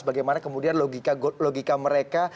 bagaimana kemudian logika mereka